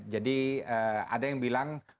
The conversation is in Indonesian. jadi ada yang bilang